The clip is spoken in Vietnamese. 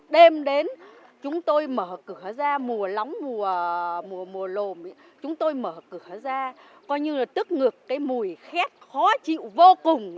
đêm đến chúng tôi mở cửa ra mùa lóng mùa lồm chúng tôi mở cửa ra coi như là tức ngược cái mùi khét khó chịu vô cùng